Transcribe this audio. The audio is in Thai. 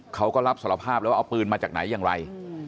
เขาก็รับสารภาพแล้วว่าเอาปืนมาจากไหนอย่างไร